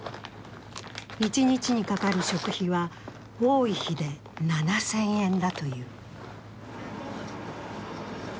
一日にかかる食費は多い日で７０００円だという。